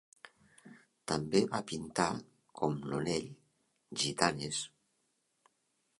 També va pintar, com Nonell, gitanes.